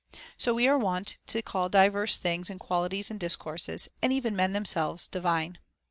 So we are wont to call divers things and qualities and discourses, and even men themselves, divine.